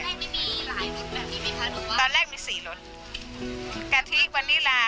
ตอนแรกไม่มีหลายรุ่นแบบนี้ไหมคะดูว่าตอนแรกมีสี่รถกะทิวานิลา